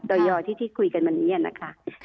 ตะยอยที่ที่คุยกันมันนี่นะคะ